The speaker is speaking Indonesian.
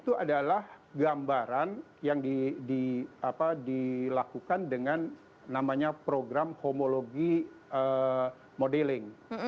itu adalah gambaran yang dilakukan dengan program homologi modeling